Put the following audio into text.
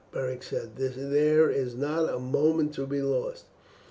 Beric said, "there is not a moment to be lost.